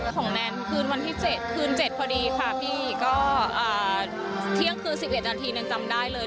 แนนคืนวันที่๗คืน๗พอดีค่ะพี่ก็เที่ยงคืน๑๑นาทีแนนจำได้เลย